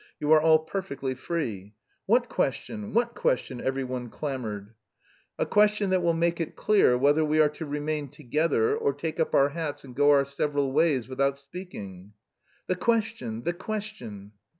You are all perfectly free." "What question? What question?" every one clamoured. "A question that will make it clear whether we are to remain together, or take up our hats and go our several ways without speaking." "The question! The question!"